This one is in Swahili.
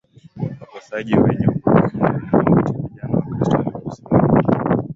wakosaji wenye hukumu ya mauti Vijana Wakristo waliposimama